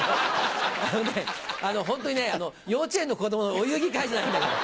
あのホントにね幼稚園の子供のお遊戯会じゃないんだから。